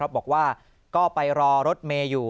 บอกว่าก็ไปรอรถเมย์อยู่